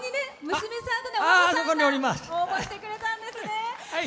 娘さんが応募してくれたんですね。